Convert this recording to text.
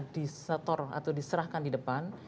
disetor atau diserahkan di depan